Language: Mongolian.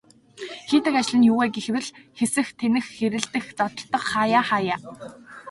Хийдэг ажил нь юу вэ гэвэл хэсэх, тэнэх хэрэлдэх, зодолдох хааяа хааяа.